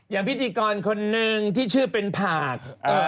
พิธีกรคนนึงที่ชื่อเป็นผาก